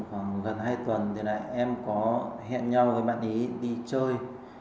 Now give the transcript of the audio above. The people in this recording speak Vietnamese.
được khoảng gần hai tuần thì em có hẹn nhau với bạn ấy đi chơi